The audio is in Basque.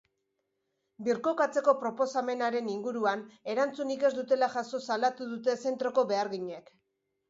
Birkokatzeko proposamenaren inguruan erantzunik ez dutela jaso salatu dute zentroko beharginek.